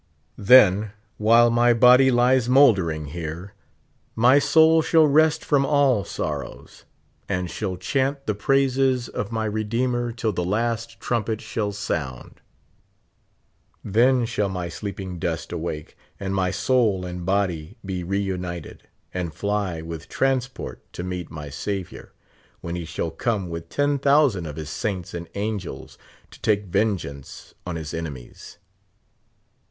Then, while my bodv lies mouldering here, my soul shall rest from all sorrows, and shall chant the praises of my Redeemer till the last trumpet shall sound ; then shall my sleeping dust awake, and my soul and body be re united, and fly with transport to meet my Saviour, when he shall come with ten thousand of his saints and angels to take vengeance on his enemies.